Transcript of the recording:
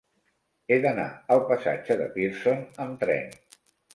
He d'anar al passatge de Pearson amb tren.